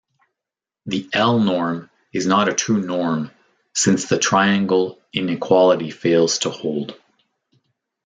The "L"-norm is not a true norm, since the triangle inequality fails to hold.